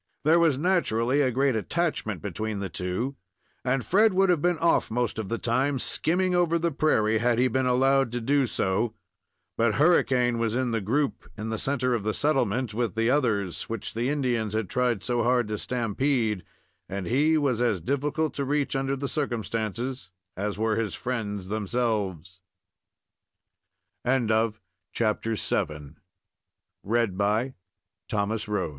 There was naturally a great attachment between the two, and Fred would have been off most of the time, skimming over the prairie, had he been allowed to do so, but Hurricane was in the group in the centre of the settlement, with the others, which the Indians had tried so hard to stampede, and he was as difficult to reach, under the circumstances, as were his friends themselves. CHAPTER VIII. THE SWOOP OF THE APACHE The afternoon dr